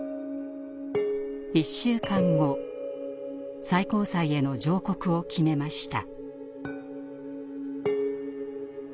１週間後最高裁への上告を決めました。